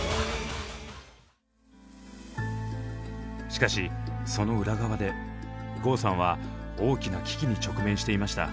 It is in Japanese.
しかしその裏側で郷さんは大きな危機に直面していました。